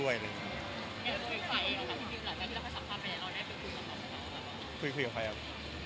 คุยกับใครครับ